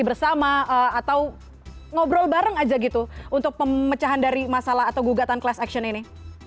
bersama atau ngobrol bareng aja gitu untuk pemecahan dari masalah atau gugatan class action ini